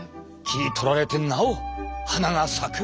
切り取られてなお花が咲く！